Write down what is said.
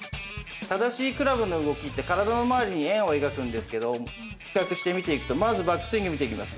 正しいクラブの動きって体の周りに円を描くんですけど比較して見ていくとまずバックスイング見ていきます。